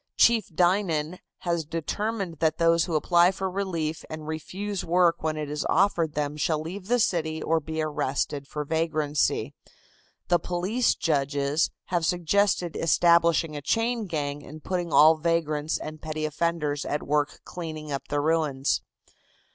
Chief Dinan has determined that those who apply for relief and refuse work when it is offered them shall leave the city or be arrested for vagrancy. The police judges have suggested establishing a chain gang and putting all vagrants and petty offenders at work clearing up the ruins.